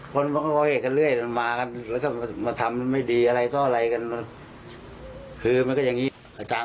คนเหล่อยกันเรื่อยกันมากันและก็มาทำไม่ดีอะไรช่อไรกัน